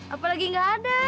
apalagi gak ada